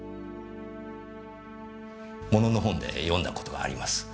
ものの本で読んだ事があります。